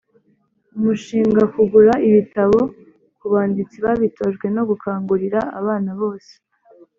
umushingakugura ibitabo ku banditsi babitojwe, no gukangurira abana bose